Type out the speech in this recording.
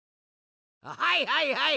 はいはいはい！